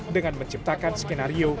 dengan menciptakan skenario